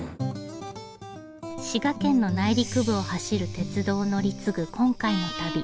滋賀県の内陸部を走る鉄道を乗り継ぐ今回の旅。